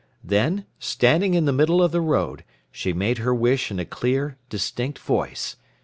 Then, standing in the middle of the road, she made her wish in a clear, distinct voice.